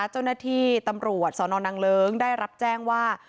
เจ้าหน้าที่ตำรวจสนนางเลิ้งได้รับแจ้งว่า